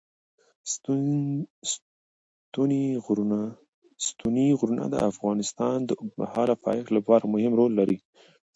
ستوني غرونه د افغانستان د اوږدمهاله پایښت لپاره مهم رول لري.